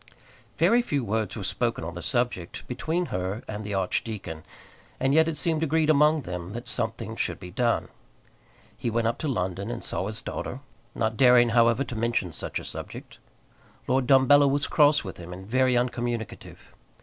Very few words were spoken on the subject between her and the archdeacon, and yet it seemed agreed among them that something should be done. He went up to London, and saw his daughter, not daring, however, to mention such a subject. Lord Dumbello was cross with him, and very uncommunicative.